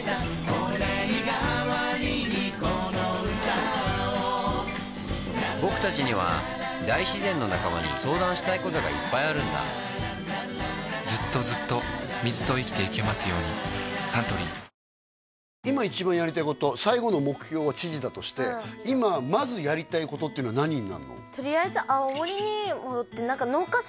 御礼がわりにこの歌をぼくたちには大自然の仲間に相談したいことがいっぱいあるんだずっとずっと水と生きてゆけますようにサントリー今一番やりたいこと最後の目標は知事だとして今まずやりたいことっていうのは何になるの？